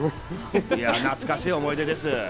懐かしい思い出です。